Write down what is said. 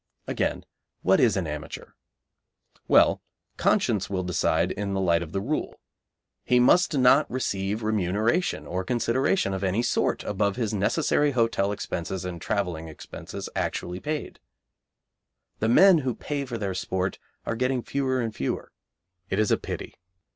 Again, what is an amateur? Well, conscience will decide in the light of the rule. He must not receive remuneration or consideration of any sort above his necessary hotel expenses and travelling expenses actually paid. The men who pay for their sport are getting fewer and fewer. It is a pity.